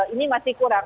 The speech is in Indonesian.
ini masih kurang